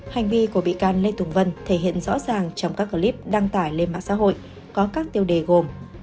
hành vi của bị can lê tùng vân thể hiện rõ ràng trong các clip đăng tải lên mạng xã hội có các tiêu đề gồm